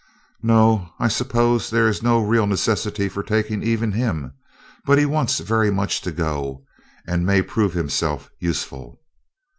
"No. I suppose there is no real necessity for taking even him, but he wants very much to go, and may prove himself useful."